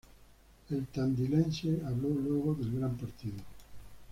El tandilense habló luego del gran partido.